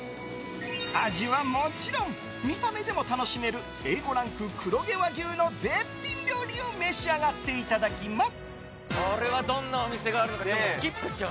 味はもちろん見た目でも楽しめるＡ５ランク黒毛和牛の絶品料理を召し上がっていただきます。